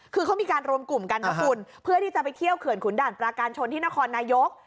คือเขามีการรวมกลุ่มกันนะคุณเพื่อที่จะไปเที่ยวเขื่อนขุนด่านปราการชนที่นครนายก